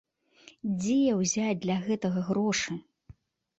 Дзе ўзяць для гэтага грошы?